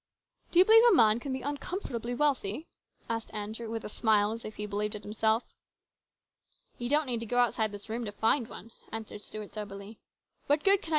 " Do you believe a man can be uncomfortably wealthy ?" asked Andrew with a smile as if he believed it himself. " You don't need to go outside this room to find one," answered Stuart soberly. " What good can I COMPLICATIONS.